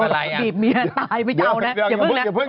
อะไรอ่ะตายไม่เก้าน่ะอย่าพึ่ง